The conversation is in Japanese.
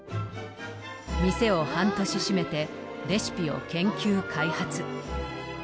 店を半年閉めてレシピを研究開発。